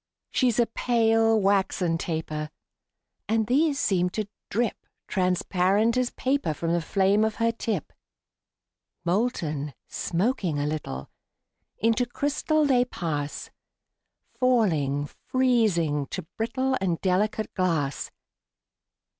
She's a pale, waxen taper; And these seem to drip Transparent as paper From the flame of her tip. Molten, smoking a little, Into crystal they pass; Falling, freezing, to brittle And delicate glass.